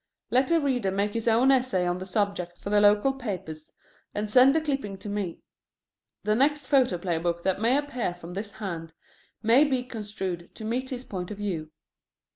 Let the reader make his own essay on the subject for the local papers and send the clipping to me. The next photoplay book that may appear from this hand may be construed to meet his point of view.